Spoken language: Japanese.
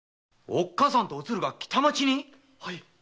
おっかさんとおつるが北町に？